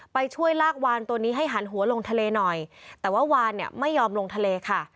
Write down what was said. ไปช่วยลากวานตัวนี้ให้หันหัวลงทะเลหน่อยแต่ว่าวานเนี่ยไม่ยอมลงทะเลค่ะ